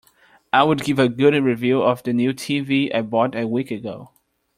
I would give a good review of the new TV I bought a week ago.